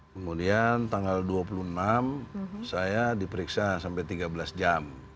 kemudian tanggal dua puluh enam saya diperiksa sampai tiga belas jam